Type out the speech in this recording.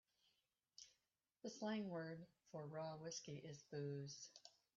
The slang word for raw whiskey is booze.